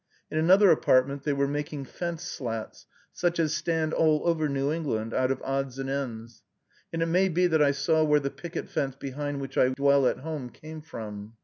In another apartment they were making fence slats, such as stand all over New England, out of odds and ends; and it may be that I saw where the picket fence behind which I dwell at home came from.